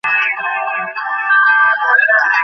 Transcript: কিন্তু আপার মনে কোনো ভয়ডর নেই।